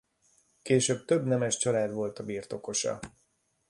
Később több nemes család volt a birtokosa.